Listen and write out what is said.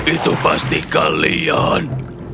itu pasti kalian